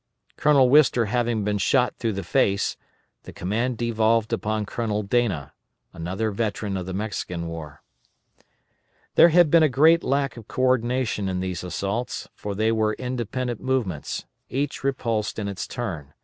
Colonel Wister having been shot through the face, the command devolved upon Colonel Dana, another veteran of the Mexican war. There had been a great lack of co ordination in these assaults, for they were independent movements, each repulsed in its turn.